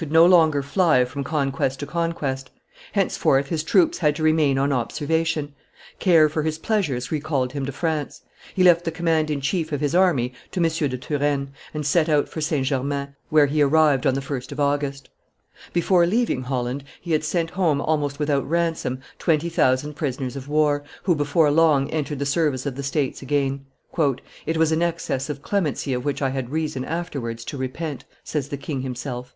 could no longer fly from conquest to conquest; henceforth his troops had to remain on observation; care for his pleasures recalled him to France; he left the command in chief of his army to M. de Turenne, and set out for St. Germain, where he arrived on the 1st of August. Before leaving Holland, he had sent home almost without ransom twenty thousand prisoners of war, who before long entered the service of the States again. "It was an excess of clemency of which I had reason afterwards to repent," says the king himself.